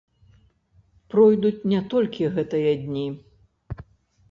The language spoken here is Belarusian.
Пройдуць не толькі гэтыя дні.